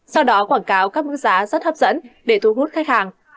sau đó quảng cáo các mức giá rất hấp dẫn để thu hút khách hàng